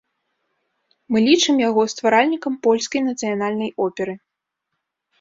Мы лічым яго стваральнікам польскай нацыянальнай оперы.